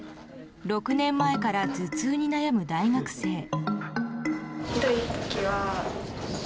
６年前から頭痛に悩む大学生。